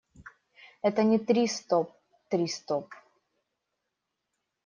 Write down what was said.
Это не «три – стоп», «три – стоп».